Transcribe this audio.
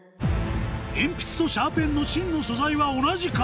鉛筆とシャーペンの芯の素材は同じか？